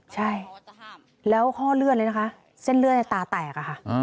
ใช่แล้วข้อเลือดเลยนะคะเส้นเลือดในตาแตกอะค่ะ